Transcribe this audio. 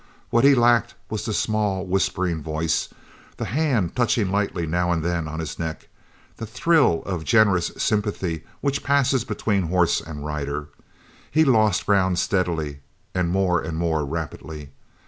What he lacked was that small whispering voice that hand touching lightly now and then on his neck that thrill of generous sympathy which passes between horse and rider. He lost ground steadily and more and more rapidly.